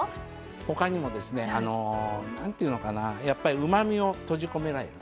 他にも、うまみを閉じ込めない。